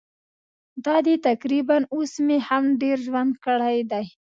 دا دی تقریباً اوس مې هم ډېر ژوند کړی دی.